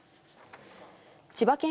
千葉県